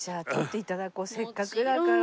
せっかくだから。